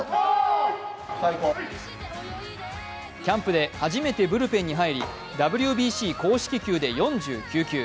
キャンプで初めてブルペンに入りＷＢＣ公式球で４９球。